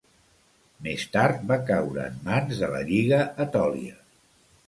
Més tard va caure en mans de la Lliga Etòlia.